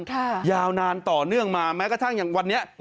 ค่ะยาวนานต่อเนื่องมาแม้ตั้งอย่างวันเนี้ย